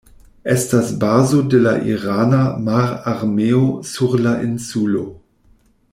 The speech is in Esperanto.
Estas bazo de la irana mararmeo sur la insulo.